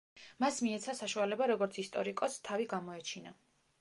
მას მიეცა საშუალება, როგორც ისტორიკოსს, თავი გამოეჩინა.